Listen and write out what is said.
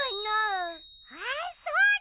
あっそうだ！